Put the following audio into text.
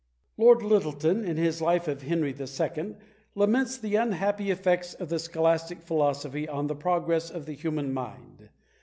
Lord Lyttleton, in his Life of Henry II., laments the unhappy effects of the scholastic philosophy on the progress of the human mind.